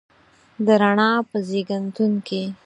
د رڼا په زیږنتون کې